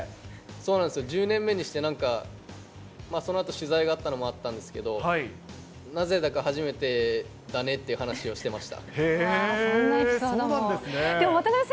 そうなんですよ、１０年目にしてなんか、そのあと取材があったのもあったんですけど、なぜだか初めてだねっていう話をしてました。